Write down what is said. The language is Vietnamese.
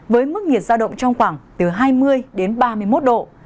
với mức nhiệt giao động trong khoảng từ hai mươi đến ba mươi một độ